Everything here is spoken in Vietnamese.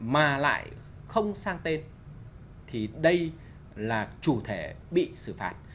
mà lại không sang tên thì đây là chủ thể bị xử phạt